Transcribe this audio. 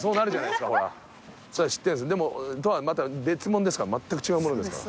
でもとはまた別物ですからまったく違うものですから。